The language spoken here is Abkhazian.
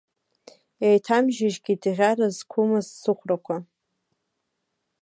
Еиҭамжьыжькит ӷьара зқәымыз сыхәрақәа.